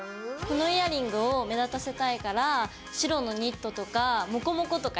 このイヤリングを目立たせたいから白のニットとかモコモコとか着たい。